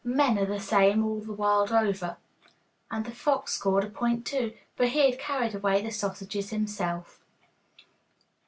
Men are the same all the world over.' And the fox scored a point too, for he had carried away the sausages himself!